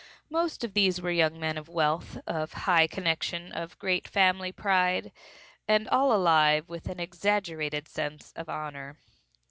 Most of these were young men of wealth, of high connection, of great family pride, and all alive with an exaggerated sense of honor.